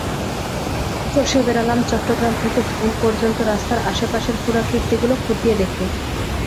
চষে বেড়ালাম চট্টগ্রাম থেকে ধুম পর্যন্ত রাস্তার আশপাশের পুরাকীর্তিগুলো খতিয়ে দেখে।